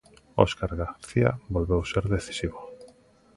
Óscar García volveu ser decisivo.